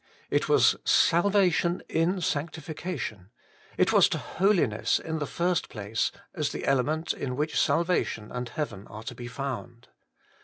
It was to ' salvation in sanctification,' it was to Holiness in the first place, as the element in which salvation and heaven are to be found.